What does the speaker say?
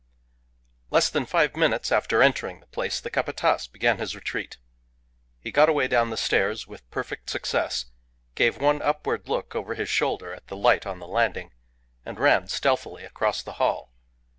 Less than five minutes after entering the place the Capataz began his retreat. He got away down the stairs with perfect success, gave one upward look over his shoulder at the light on the landing, and ran stealthily across the hall.